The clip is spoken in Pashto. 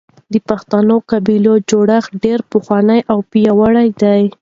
د پښتنو قبيلوي جوړښت ډېر پخوانی او پياوړی دی.